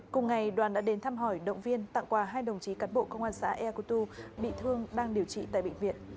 cùng ngày đoàn đã đến thăm hỏi động viên tặng quà hai đồng chí cán bộ công an xã eakutu bị thương đang điều trị tại bệnh viện